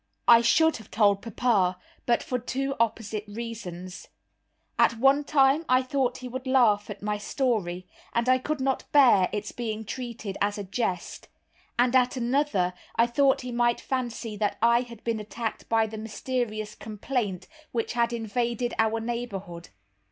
I should have told papa, but for two opposite reasons. At one time I thought he would laugh at my story, and I could not bear its being treated as a jest; and at another I thought he might fancy that I had been attacked by the mysterious complaint which had invaded our neighborhood.